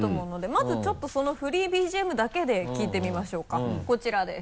まずちょっとそのフリーＢＧＭだけで聴いてみましょうかこちらです。